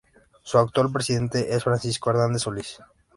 Su actual presidente es Francisco Hernández Solís.